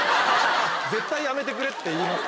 絶対やめてくれって言います。